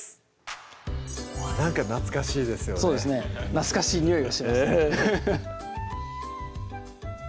懐かしいにおいがします